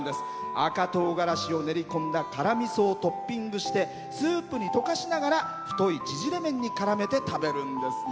赤とうがらしを練り込んだ辛みそをトッピングしてスープに溶かしながら太い縮れ麺にからめて食べるんですね。